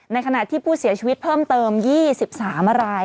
ขณะที่ผู้เสียชีวิตเพิ่มเติม๒๓ราย